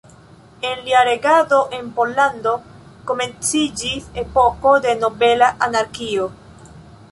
En lia regado en Pollando komenciĝis epoko de nobela anarkio.